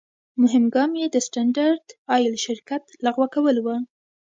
مهم ګام یې د سټنډرد آیل شرکت لغوه کول و.